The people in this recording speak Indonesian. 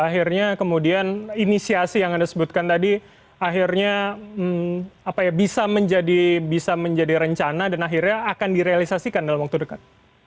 akhirnya kemudian inisiasi yang anda sebutkan tadi akhirnya bisa menjadi rencana dan akhirnya akan direalisasikan dalam waktu dekat